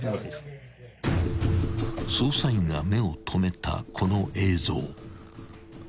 ［捜査員が目をとめたこの映像］